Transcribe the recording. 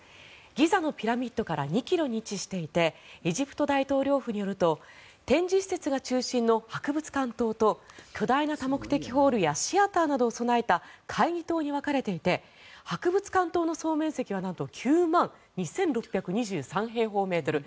ギザのピラミッドから２ｋｍに位置していてエジプト大統領府によると展示施設が中心の博物館棟と巨大な多目的ホールやシアターなどを備えた会議棟に分かれていて博物館棟の総面積はなんと９万２６２３平方メートル。